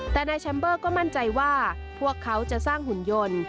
แต่นายแชมเบอร์ก็มั่นใจว่าพวกเขาจะสร้างหุ่นยนต์